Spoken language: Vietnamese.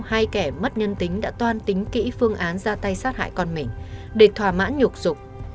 hai kẻ mất nhân tính đã toan tính kỹ phương án ra tay sát hại con mình để thỏa mãn nhục rục